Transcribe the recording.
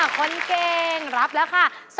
คนเก่งรับราคา๒๐๐๐บาท